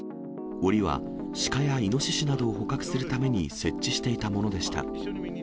おりは、シカやイノシシなどを捕獲するために設置していたものでした。